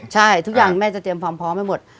ใช่ทุกอย่างแม่จะเตรียมความพร้อมให้หมด